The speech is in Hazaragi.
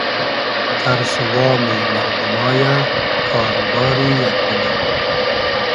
تئرس و وامی مئردوما یۂ کار و باری یئگ بولوگ